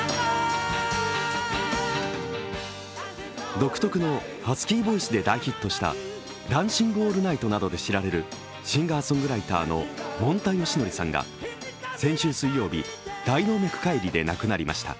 独特のハスキーボイスで大ヒットした「ダンシング・オールナイト」などで知られるシンガーソングライターのもんたよしのりさんが先週水曜日、大動脈解離で亡くなりました。